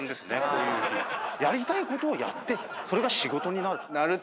こういう日やりたいことをやってそれが仕事になる。